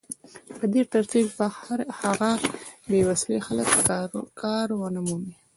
په دې ترتیب به هغه بې وسيلې خلک کار ونه مومي